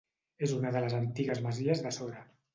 És una de les antigues masies de Sora.